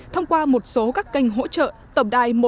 thông qua một số các kênh hỗ trợ